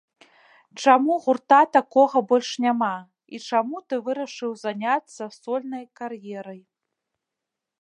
Чаму гурта такога больш няма, і чаму ты вырашыў заняцца сольнай кар'ерай?